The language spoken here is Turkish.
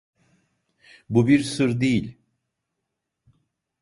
Bu bir sır değil.